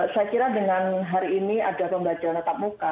saya kira dengan hari ini ada pembelajaran tetap muka